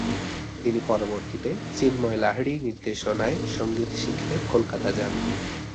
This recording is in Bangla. তিনি পরবর্তীতে চিন্ময় লাহিড়ী নির্দেশনায় সঙ্গীত শিখতে কলকাতা যান।